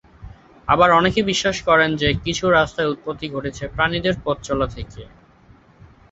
আবার অনেকে বিশ্বাস করেন যে, কিছু রাস্তার উৎপত্তি ঘটেছে প্রাণীদের পথ চলা থেকে।